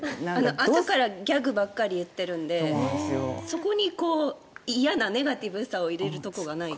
朝からギャグばっかり言っているのでそこに嫌なネガティブさを入れるところがない。